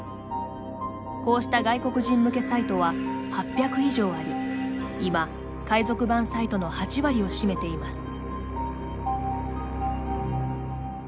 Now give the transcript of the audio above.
こうした外国人向けサイトは８００以上あり今、海賊版サイトの８割を占めています。